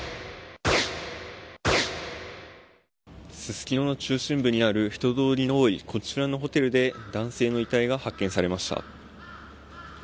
ススキノの中心部にある人通りの多いこちらのホテルで男性の遺体が発見されました。